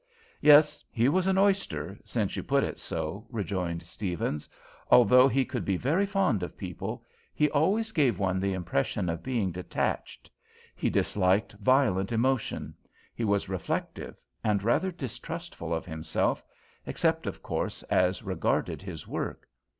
"Yes, he was an oyster, since you put it so," rejoined Stevens. "Although he could be very fond of people, he always gave one the impression of being detached. He disliked violent emotion; he was reflective, and rather distrustful of himself except, of course, as regarded his work.